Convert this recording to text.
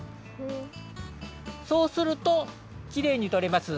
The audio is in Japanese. そうするときれいにとれます。